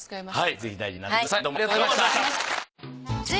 ぜひ大事になさってください。